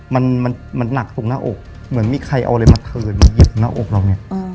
มันมันหนักตรงหน้าอกเหมือนมีใครเอาอะไรมาเทินเหยียบหน้าอกเราเนี่ย